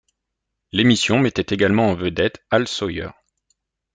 L'émission mettait également en vedette Hal Sawyer.